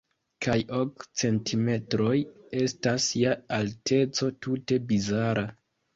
Kaj ok centimetroj estas ja alteco tute bizara.